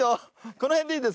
この辺でいいですか？